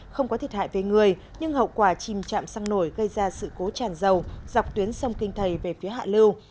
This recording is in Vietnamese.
không có thiệt hại về người nhưng hậu quả chìm chạm xăng nổi gây ra sự cố tràn dầu dọc tuyến sông kinh thầy về phía hạ lưu